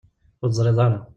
Ur teẓriḍ ara.